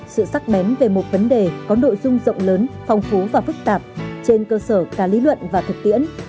sự sắc bén về một vấn đề có nội dung rộng lớn phong phú và phức tạp trên cơ sở cả lý luận và thực tiễn